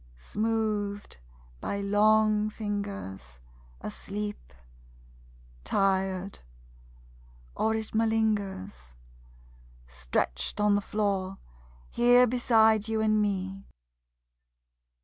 Smoothed by long fingers, Asleep... tired... or it malingers. Stretched on the floor, here beside you and me.